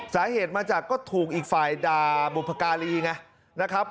สาเหตุมาจากก็ถูกอีกฝ่ายด่าบุพการีไงนะครับ